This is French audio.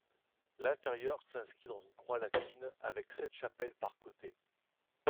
L'intérieur s'inscrit dans une croix latine avec sept chapelles par côté.